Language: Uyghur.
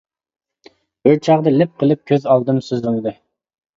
بىر چاغدا لىپ قىلىپ كۆز ئالدىم سۈزۈلدى.